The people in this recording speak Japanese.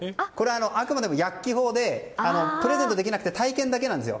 あくまでも薬機法でプレゼントできなくて体験だけなんですよ。